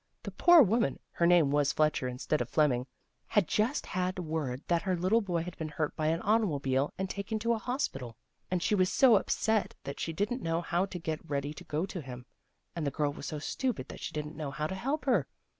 The poor woman her name was Fletcher instead of Flemming had just had word that her little boy had been hurt by an automobile, and taken to a hospital. And she was so upset that she didn't know how to get ready to go to him, and the girl was so stupid that she didn't know how to help her.